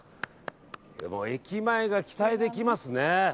駅前が期待できますね。